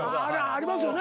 ありますよね